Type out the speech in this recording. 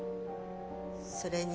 それに。